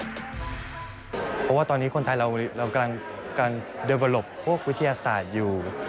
เพราะว่าตอนนี้คนไทยเรากำลังพวกวิทยาศาสตร์อยู่